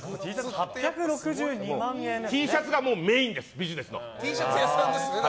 Ｔシャツがメインですビジネスの。